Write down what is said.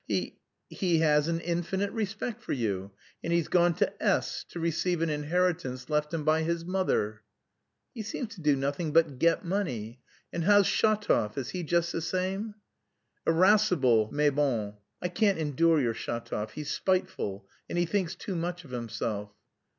"He... he has an infinite respect for you, and he's gone to S k, to receive an inheritance left him by his mother." "He seems to do nothing but get money. And how's Shatov? Is he just the same?" "Irascible, mais bon." "I can't endure your Shatov. He's spiteful and he thinks too much of himself."